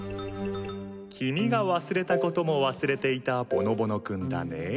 君が忘れたことも忘れていたぼのぼの君だね